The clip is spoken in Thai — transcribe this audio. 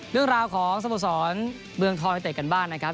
เรื่องราวของสโมสรเมืองทองในเตะกันบ้างนะครับ